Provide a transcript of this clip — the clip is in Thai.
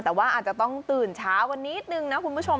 แต่ว่าอาจจะต้องตื่นเช้ากันนิดนึงนะคุณผู้ชม